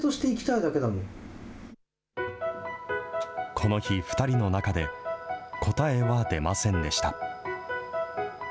この日、２人の中で、答えは出ませんでした。